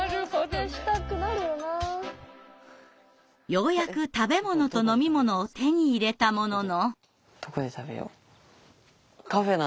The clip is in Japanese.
ようやく食べ物と飲み物を手に入れたものの。